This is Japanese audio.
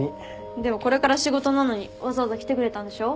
でもこれから仕事なのにわざわざ来てくれたんでしょ？